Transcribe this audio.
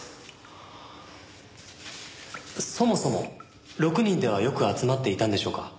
そもそも６人ではよく集まっていたんでしょうか？